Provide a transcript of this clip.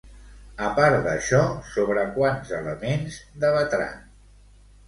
A part d'això, sobre quants elements debatran?